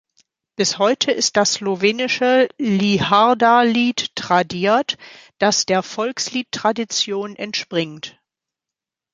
Bis heute ist das slowenische Liharda-Lied tradiert, das der Volkslied-Tradition entspringt.